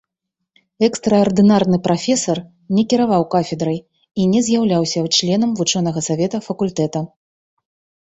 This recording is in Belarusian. Экстраардынарны прафесар не кіраваў кафедрай і не з'яўляўся членам вучонага савета факультэта.